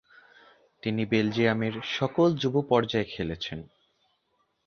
তিনি বেলজিয়ামের সকল যুব পর্যায়ে খেলেছেন।